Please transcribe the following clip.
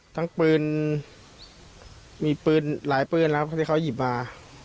ทั้งปืนมีปืนหลายปืนแล้วที่เขาหยิบมา